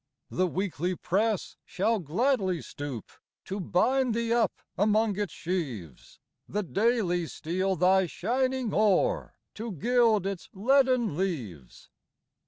The Weekly press shall gladly stoop To bind thee up among its sheaves; The Daily steal thy shining ore, To gild its leaden leaves.